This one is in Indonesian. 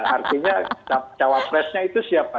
artinya cawapresnya itu siapa